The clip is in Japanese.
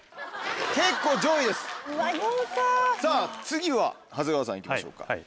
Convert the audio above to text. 次は長谷川さん行きましょうか。